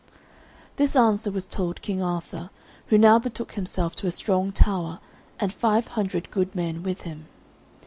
This answer was told King Arthur, who now betook himself to a strong tower and five hundred good men with him.